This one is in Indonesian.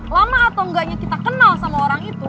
lama atau enggaknya kita kenal sama orang itu